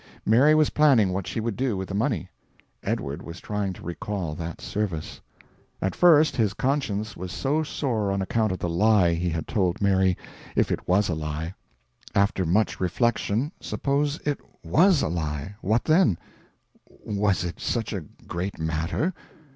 Mary was planning what she would do with the money. Edward was trying to recall that service. At first his conscience was sore on account of the lie he had told Mary if it was a lie. After much reflection suppose it WAS a lie? What then? Was it such a great matter?